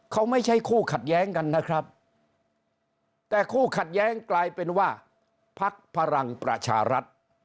เขาไม่ใช่คู่ขัดแย้งกันนะครับแต่คู่ขัดแย้งกลายเป็นว่าพักพลังประชารัฐ